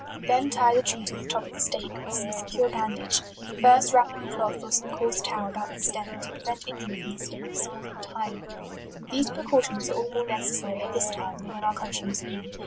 Then tie the tree to the top of the stake, with some secure bandage, first wrapping a cloth or some coarse tow about the stem, to prevent injury from the stakes, or from tying, These precautions are all more necessary at this time, than when our country was new.